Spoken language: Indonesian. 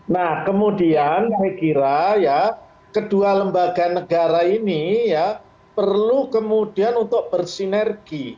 nah kemudian saya kira ya kedua lembaga negara ini ya perlu kemudian untuk bersinergi